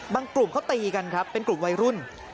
กลุ่มเขาตีกันครับเป็นกลุ่มวัยรุ่น